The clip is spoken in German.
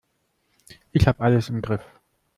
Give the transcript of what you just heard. Ich habe alles im Griff.